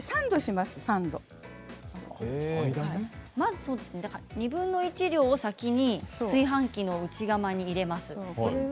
まず２分の１量を先に炊飯器の内釜に入れます。